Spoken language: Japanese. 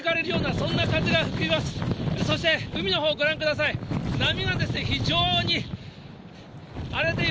そして、海のほう、ご覧ください。